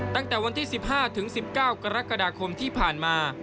ตั้งแต่วันที่๑๕๑๙กรกฎาคมที่ผ่านมา